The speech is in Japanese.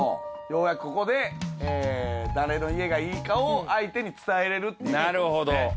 ようやくここで誰の家がいいかを相手に伝えれるっていう事ですね。